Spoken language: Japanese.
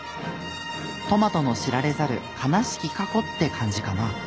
トマトの知られざる悲しき過去って感じかな。